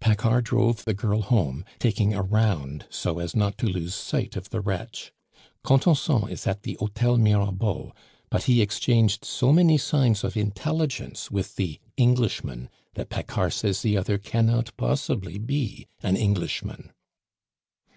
Paccard drove the girl home, taking a round so as not to lose sight of the wretch. Contenson is at the Hotel Mirabeau; but he exchanged so many signs of intelligence with the Englishman, that Paccard says the other cannot possibly be an Englishman."